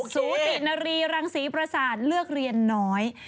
สูตินรีรังศรีประสาทเลือกเรียนน้อย